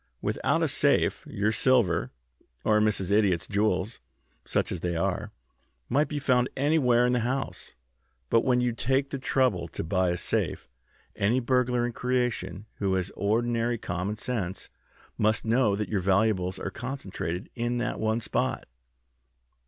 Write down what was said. Without a safe your silver, or Mrs. Idiot's jewels, such as they are, might be found anywhere in the house. But when you take the trouble to buy a safe, any burglar in creation who has ordinary common sense must know that your valuables are concentrated in that one spot."